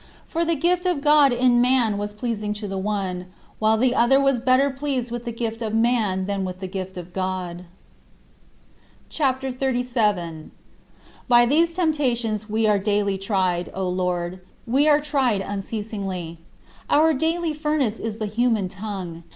For the gift of God in man was pleasing to the one, while the other was better pleased with the gift of man than with the gift of God. CHAPTER XXXVII 60. By these temptations we are daily tried, O Lord; we are tried unceasingly. Our daily "furnace" is the human tongue.